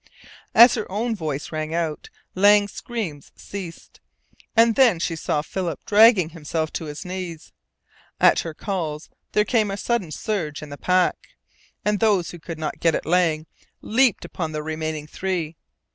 As her own voice rang out, Lang's screams ceased, and then she saw Philip dragging himself to his knees. At her calls there came a sudden surge in the pack, and those who could not get at Lang leaped upon the remaining three.